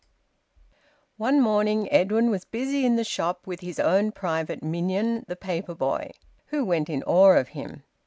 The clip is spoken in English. One morning Edwin was busy in the shop with his own private minion, the paper boy, who went in awe of him.